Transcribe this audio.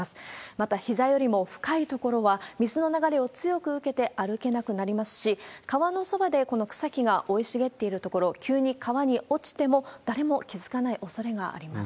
また、ひざよりも深いところは、水の流れを強く受けて歩けなくなりますし、川のそばでこの草木が生い茂っている所、急に川に落ちても誰も気付かないおそれがあります。